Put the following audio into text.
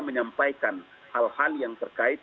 menyampaikan hal hal yang terkait